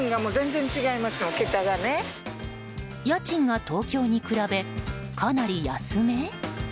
家賃が東京に比べかなり安め？